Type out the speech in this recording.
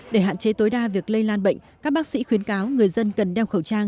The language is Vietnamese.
để hạn chế tối đa việc lây lan bệnh các bác sĩ khuyến cáo người dân cần đeo khẩu trang